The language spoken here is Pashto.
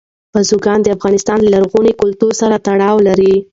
بزګان د افغانستان له لرغوني کلتور سره تړاو لري.